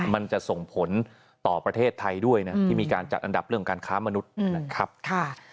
มันจะส่งผลต่อประเทศไทยด้วยนะที่มีการจัดอันดับเรื่องของการค้ามนุษย์นะครับ